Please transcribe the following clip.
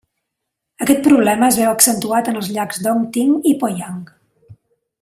Aquest problema es veu accentuat en els llacs Dongting i Poyang.